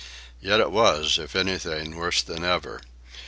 Yet it was, if anything, worse than ever.